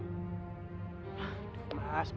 ternyata justru kamu yang menghambat bisnisku